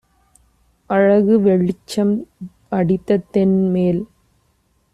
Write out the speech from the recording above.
அழகு வெளிச்சம் அடித்த தென்மேல்